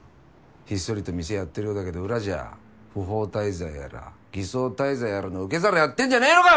ひっそりと店やってるようだけど裏じゃ不法滞在やら偽装滞在やらの受け皿やってんじゃねぇのか？